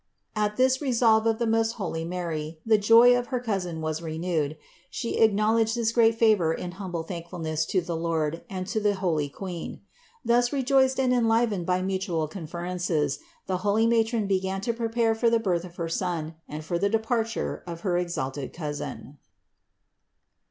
At this resolve of the most holy Mary the joy of her cousin was renewed; she acknowledged this great favor in humble thankfulness to the Lord and to the holy Queen. THE INCARNATION 219 Thus rejoiced and enlivened by mutual conferences, the holy matron began to prepare for the birth of her son and for the departure of her exalted Cousin.